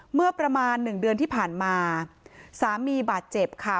เมื่อประมาณหนึ่งเดือนที่ผ่านมาสามีบาดเจ็บค่ะ